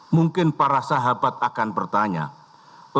mungkin para sahabat akan bertanya